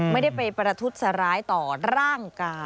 ไม่ได้ไปประทุษร้ายต่อร่างกาย